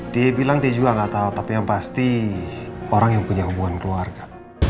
dia bilang dia juga nggak tahu tapi yang pasti orang yang punya hubungan keluarga